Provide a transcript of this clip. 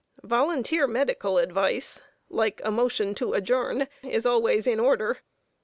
Volunteer medical advice, like a motion to adjourn, is always in order.